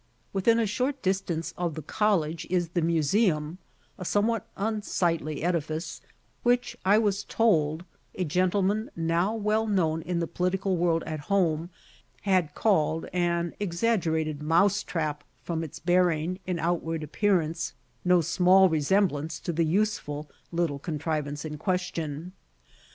Within a short distance of the college is the Museum, a somewhat unsightly edifice, which, I was told, a gentleman now well known in the political world at home, had called "an exaggerated mouse trap," from its bearing, in outward appearance, no small resemblance to the useful little contrivance in question.